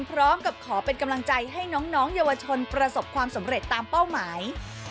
พร้อมกับขอเป็นกำลังใจให้น้องเยาวชนประสบความสำเร็จตามเป้าหมาย